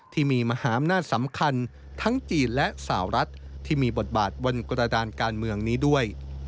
ที่มีมหาอำนาจสำคัญทั้งจีนและสาวรัฐที่มีบทบาทบนกระดานการเมืองนี้ด้วย